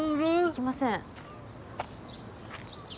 行きません。